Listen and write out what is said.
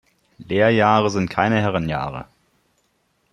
Lehrjahre sind keine Herrenjahre.